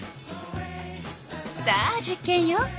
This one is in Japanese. さあ実験よ。